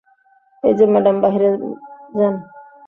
এই যে ম্যাডাম বাহিরে যান!